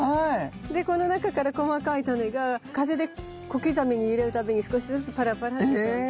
でこの中から細かいタネが風で小刻みに揺れるたびに少しずつパラパラっと飛んで。